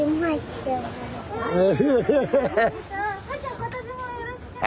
今年もよろしくね！